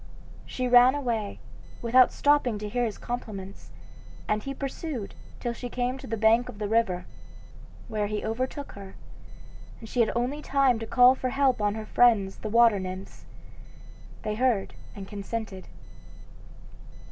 She ran away, without stopping to hear his compliments, and he pursued till she came to the bank of the river, where he overtook her, and she had only time to call for help on her friends the water nymphs. They heard and consented.